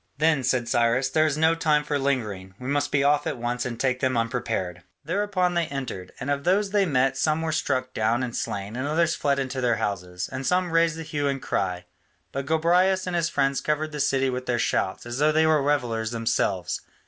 "Then," said Cyrus, "there is no time for lingering; we must be off at once and take them unprepared." Thereupon they entered: and of those they met some were struck down and slain, and others fled into their houses, and some raised the hue and cry, but Gobryas and his friends covered the cry with their shouts, as though they were revellers themselves.